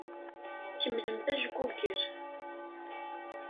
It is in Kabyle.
Kemmlemt ajgugel.